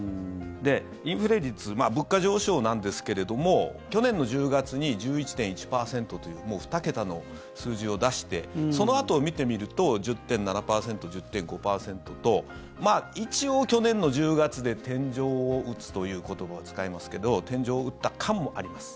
インフレ率物価上昇なんですけれども去年の１０月に１１．１％という２桁の数字を出してそのあとを見てみると１０．７％、１０．５％と一応、去年の１０月で天井を打つという言葉を使いますけど天井を打った感もあります。